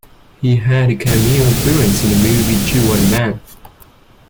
He had a cameo appearance in the movie "Juwanna Mann".